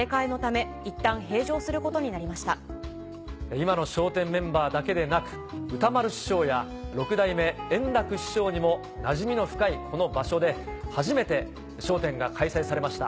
今の笑点メンバーだけでなく歌丸師匠や六代目円楽師匠にもなじみの深いこの場所で初めて『笑点』が開催されました。